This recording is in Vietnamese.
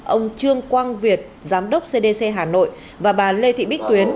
ông trương quang việt giám đốc cdc hà nội và bà lê thị bích tuyến